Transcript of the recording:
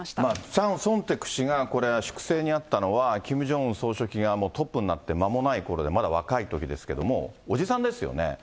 チャン・ソンテク氏がこれ、粛清に遭ったのはキム・ジョンウン総書記がトップになって間もないころで、まだ若いときですけれども、おじさんですよね。